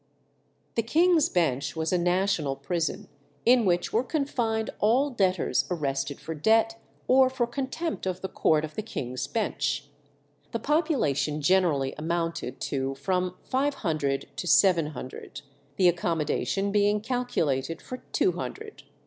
The King's Bench was a national prison, in which were confined all debtors arrested for debt or for contempt of the court of the King's Bench. The population generally amounted to from five hundred to seven hundred, the accommodation being calculated for two hundred.